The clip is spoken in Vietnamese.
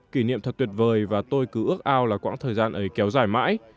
kỷ niệm thật tuyệt vời và tôi cứ ước ao là quãng thời gian ấy kéo dài mãi